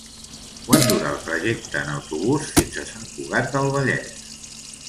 Quant dura el trajecte en autobús fins a Sant Cugat del Vallès?